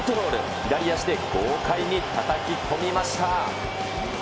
左足で豪快にたたき込みました。